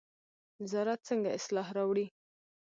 نظارت څنګه اصلاح راوړي؟